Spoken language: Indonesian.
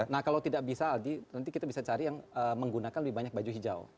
nah kalau tidak bisa aldi nanti kita bisa cari yang menggunakan lebih banyak baju hijau